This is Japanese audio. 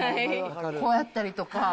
こうやったりとか。